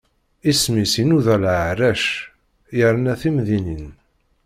Isem-is inuda leɛrac, yerna timdinin.